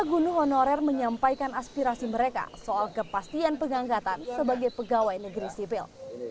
guru honorer menyampaikan aspirasi mereka soal kepastian pengangkatan sebagai pegawai negeri sipil